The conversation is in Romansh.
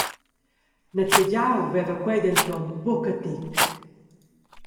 Nezegiau veva quei denton buca tec.